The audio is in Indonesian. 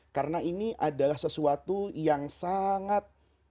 karena ini adalah sesuatu yang sangat